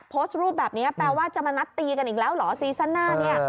โพสต์รูปแบบนี้แปลว่าจะมานัดตีกันอีกแล้วเหรอซีซั่นหน้าเนี่ย